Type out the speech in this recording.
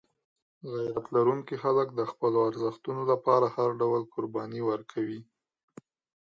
غیرت لرونکي خلک د خپلو ارزښتونو لپاره هر ډول قرباني ورکوي.